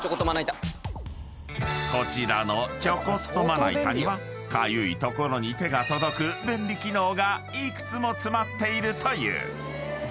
［こちらのちょこっとまな板にはかゆい所に手が届く便利機能が幾つも詰まっているという］